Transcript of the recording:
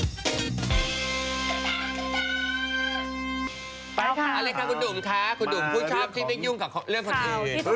คุณดุ่มคุณชอบที่ไม่ยุ่งกับเรื่องของคุณ